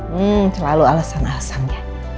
hmm selalu alasan alasan ya